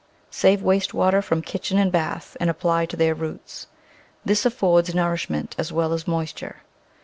Save waste water from kitchen and bath, and apply to their roots. This affords nourishment as well as moisture.